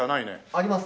あります